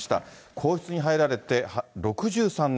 皇室に入られて６３年。